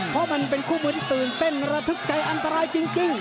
เพราะมันเป็นคู่มือที่ตื่นเต้นระทึกใจอันตรายจริง